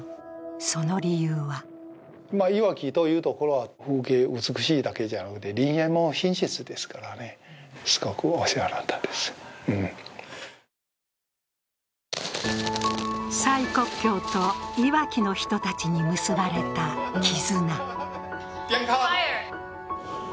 その理由は蔡國強といわきの人たちに結ばれた絆。